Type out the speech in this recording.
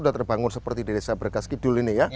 sudah terbangun seperti di desa bergaskidul ini